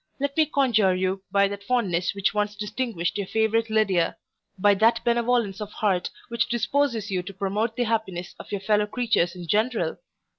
let me conjure you by that fondness which once distinguished your favourite Lydia! by that benevolence of heart, which disposes you to promote the happiness of your fellow creatures in general!